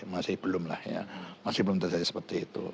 masih belum lah ya masih belum terjadi seperti itu